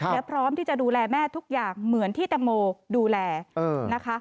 และพร้อมที่จะดูแลแม่ทุกอย่างเหมือนที่ตังโมดูแลนะคะ